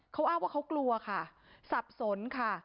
เขาอ้างว่าเขากลัวค่ะสับสนค่ะ